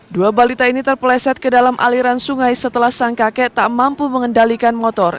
dua balita ini terpleset ke dalam aliran sungai setelah sang kakek tak mampu mengendalikan motor